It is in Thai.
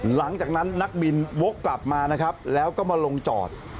หลังจากนั้นนักบินวกกลับมานะครับแล้วก็มาลงจอด